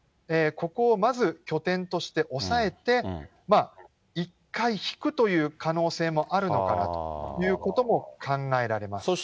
ここをまず拠点として押さえて、一回引くという可能性もあるのかなということも考えられます。